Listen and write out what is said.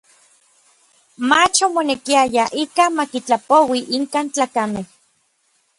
Mach omonekiaya ikaj ma kitlapoui inkan tlakamej.